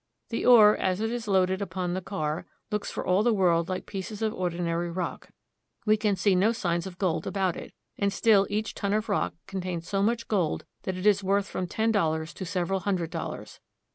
The ore, as it is loaded upon the car, looks for all the world like pieces of ordinary rock ; we can see no signs of gold about it ; and still each ton of rock contains so much gold that it is worth from ten dollars to several hundred dollars.